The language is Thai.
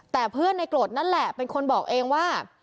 แต่เพื่อนในโกรธนั่นแหละเป็นคนบอกเองว่า